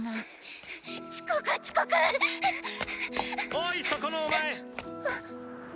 おいそこのお前。